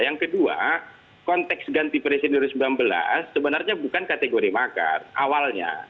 yang kedua konteks ganti presiden dua ribu sembilan belas sebenarnya bukan kategori makar awalnya